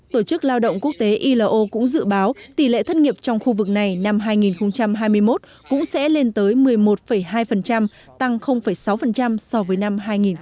tổ chức lao động quốc tế ilo cũng dự báo tỷ lệ thất nghiệp trong khu vực này năm hai nghìn hai mươi một cũng sẽ lên tới một mươi một hai tăng sáu so với năm hai nghìn hai mươi hai